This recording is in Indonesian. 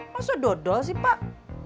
masa dodol sih pak